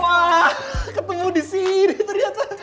wah ketemu disini ternyata